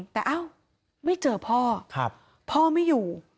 แต่อ้าวไม่เจอพ่อพ่อไม่อยู่